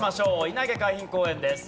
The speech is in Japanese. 稲毛海浜公園です。